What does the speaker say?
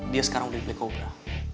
dia sekarang udah di cobra